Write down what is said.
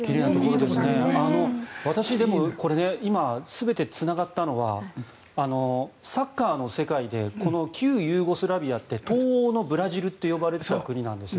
私でもこれ今、全てつながったのはサッカーの世界でこの旧ユーゴスラビアって東欧のブラジルと呼ばれていた国なんです。